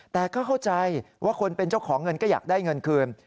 แต่ก็เข้าใจว่าคนเป็นเจ้าของเงินก็อยากได้เงินคืน